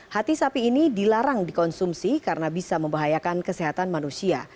hati sapi ini dilarang dikonsumsi karena bisa membahayakan kesehatan manusia